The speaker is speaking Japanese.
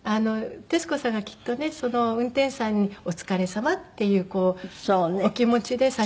徹子さんがきっとねその運転手さんにお疲れさまっていうお気持ちで。